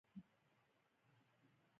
ولې د برېټانیا کې د قدرت انډول متفاوت و.